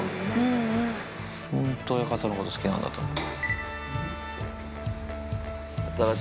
本当、親方のこと好きなんだと思う。